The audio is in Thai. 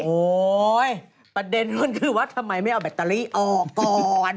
โอ๊ยประเด็นมันคือว่าทำไมไม่เอาแบตเตอรี่ออกก่อน